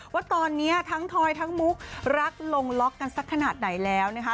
ว่าตอนนี้ทั้งทอยทั้งมุกรักลงล็อกกันสักขนาดไหนแล้วนะคะ